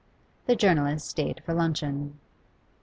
The journalist stayed for luncheon.